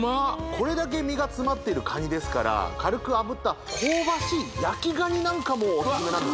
これだけ身が詰まってるカニですから軽く炙った香ばしい焼きガニなんかもおすすめなんですね